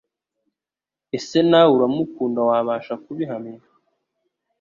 Ese nawe uramukunda Wabasha kubihamya